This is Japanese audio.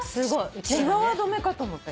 「チワワ止め」かと思った。